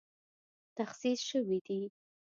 تخصیص شوې دي